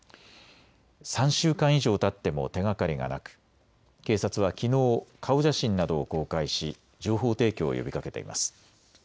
３週間以上たっても手がかりがなく、警察はきのう顔写真などを公開し情報提供を呼びかけています。